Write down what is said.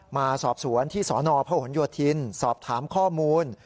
มาสอบสวนที่สนพหนโยธินสอบถามข้อมูล